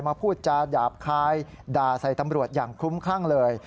พูดจาหยาบคายด่าใส่ตำรวจอย่างคลุ้มคลั่งเลย